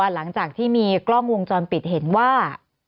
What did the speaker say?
หลังจากที่มีกล้องวงจรปิดเห็นว่า